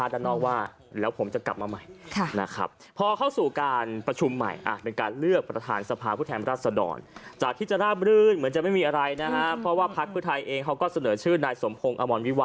ได้ยินเสียงใช่มั้ยฮะ